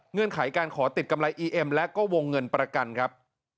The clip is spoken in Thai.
ไขการขอติดกำไรอีเอ็มและก็วงเงินประกันครับ